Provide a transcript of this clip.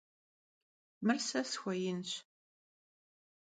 Mır se sxueinş.